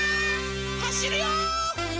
はしるよ！